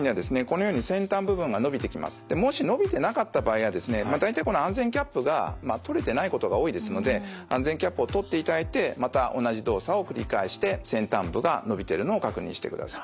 もし伸びてなかった場合はですね大体この安全キャップが取れてないことが多いですので安全キャップを取っていただいてまた同じ動作を繰り返して先端部が伸びてるのを確認してください。